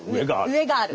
上がある。